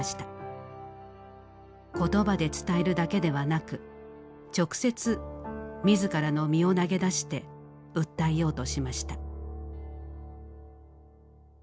言葉で伝えるだけではなく直接自らの身を投げ出して訴えようとしました。